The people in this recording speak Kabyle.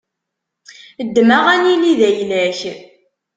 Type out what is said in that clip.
Ddem-aɣ, ad nili d ayla-k.